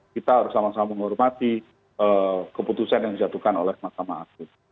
kita harus sama sama menghormati keputusan yang dijatuhkan oleh mahkamah agung